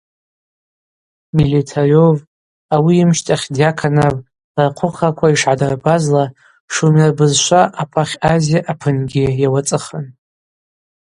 Милитарёв, ауи йымщтахь Дьяконов рырхъвыхраква йшгӏадырбазла, шумер бызшва Апахь Азия апынгьи йауацӏыхын.